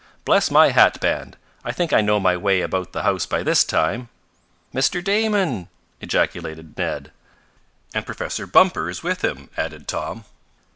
"Bless my hat band, I think I know my way about the house by this time!" "Mr. Damon!" ejaculated Ned. "And Professor Bumper is with him," added Tom.